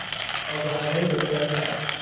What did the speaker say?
آب و هوای بسیار سرد